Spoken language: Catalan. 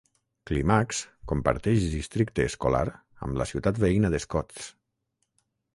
Climax comparteix districte escolar amb la ciutat veïna de Scotts.